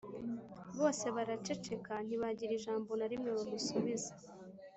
Bose baraceceka, ntibagira ijambo na rimwe bamusubiza